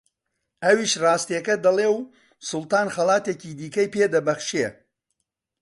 ئەویش ڕاستییەکە دەڵێ و سوڵتان خەڵاتێکی دیکەی پێ دەبەخشێ